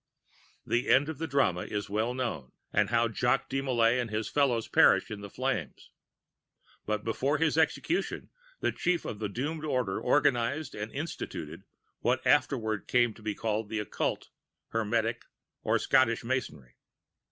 "The end of the drama is well known, and how Jacques de Molai and his fellows perished in the flames. But before his execution, the Chief of the doomed Order organized and instituted what afterward came to be called the Occult, Hermetic, or Scottish Masonry.